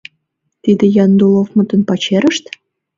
Тиде Яндуловмытын пачерышт?